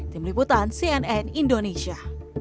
tim liputan cnn indonesia